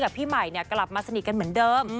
พี่ใหม่กลับมาสนิทกันเหมือนเดิม